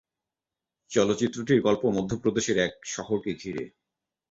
চলচ্চিত্রটির গল্প মধ্যপ্রদেশের এক শহরকে ঘিরে।